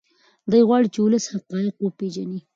دی غواړي چې ولس حقایق وپیژني.